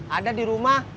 ada di rumah